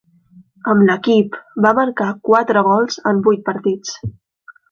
Amb l'equip, va marcar quatre gols en vuit partits.